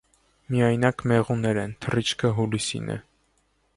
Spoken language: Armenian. Միայնակ մեղուներ են, թռիչքը հուլիսին է։